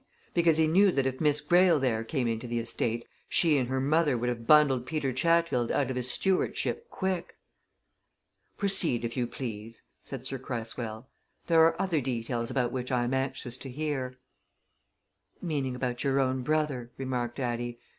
Because he knew that if Miss Greyle there came into the estate, she and her mother would have bundled Peter Chatfield out of his stewardship quick." "Proceed, if you please," said Sir Cresswell. "There are other details about which I am anxious to hear." "Meaning about your own brother," remarked Addie.